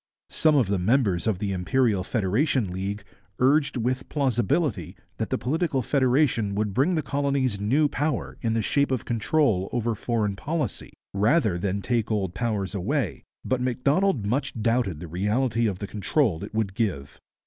Some of the members of the Imperial Federation League urged with plausibility that political federation would bring the colonies new power in the shape of control over foreign policy, rather than take old powers away, but Macdonald much doubted the reality of the control it would give.